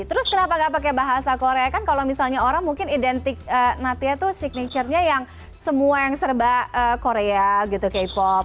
terus kenapa gak pakai bahasa korea kan kalau misalnya orang mungkin identik natia tuh signature nya yang semua yang serba korea gitu k pop